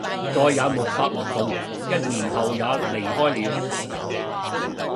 再也沒法活動；一年後也離開了